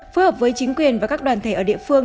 phối hợp với chính quyền và các đoàn thể ở địa phương